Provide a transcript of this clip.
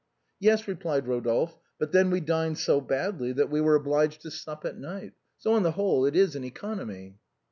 " Yes," replied Eodolphe, " but then we dined so badly that we were obliged to sup at night. So, on tlie whole, it is an economy."